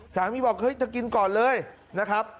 บอกเฮ้ยจะกินก่อนเลยนะครับ